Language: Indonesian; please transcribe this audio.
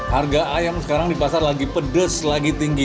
harga ayam sekarang di pasar lagi pedes lagi tinggi